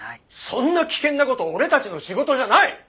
そんな危険な事俺たちの仕事じゃない！